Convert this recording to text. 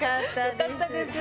よかったです。